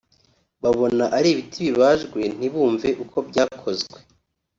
Babona ari ibiti bibaje ntibumve uko byakozwe